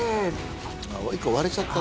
１個割れちゃった